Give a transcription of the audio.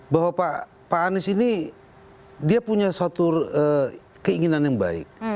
bahwa pak anies ini dia punya suatu keinginan yang baik